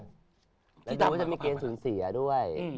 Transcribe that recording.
ที่ดับมากกว่าไหมครับดูว่าจะมีเกณฑ์ศูนย์เสียด้วย